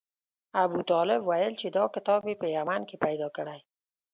ابوطالب ویل چې دا کتاب یې په یمن کې پیدا کړی.